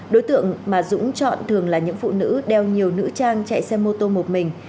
đối tượng mà dũng chọn thường là những phụ nữ đeo nhiều nữ trang chạy xe mô tô một mình